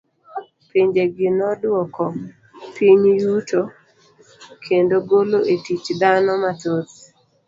Pinje gi noduoko piny yuto kendo golo e tich dhano mathoth.